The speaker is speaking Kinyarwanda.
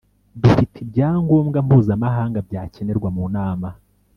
Dufite ibyangombwa mpuzamahanga byakenerwa mu nama